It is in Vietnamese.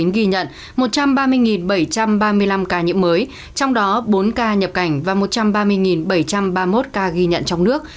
ghi nhận một trăm ba mươi bảy trăm ba mươi năm ca nhiễm mới trong đó bốn ca nhập cảnh và một trăm ba mươi bảy trăm ba mươi một ca ghi nhận trong nước